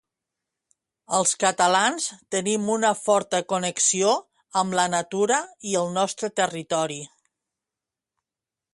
Els catalans tenim una forta connexió amb la natura i el nostre territori.